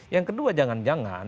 yang kedua jangan jangan